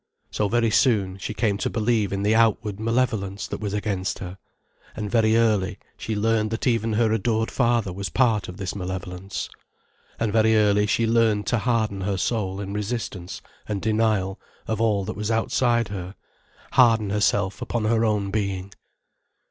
So very soon, she came to believe in the outward malevolence that was against her. And very early, she learned that even her adored father was part of this malevolence. And very early she learned to harden her soul in resistance and denial of all that was outside her, harden herself upon her own being.